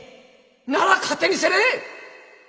なら勝手にせんね！